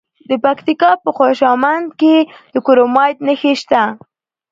د پکتیکا په خوشامند کې د کرومایټ نښې شته.